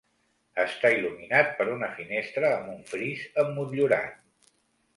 Està il·luminat per una finestra amb un fris emmotllurat.